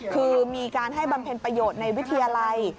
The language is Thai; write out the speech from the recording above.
คือมีการให้บำเพ็ญประโยชน์ในวิทยาลัย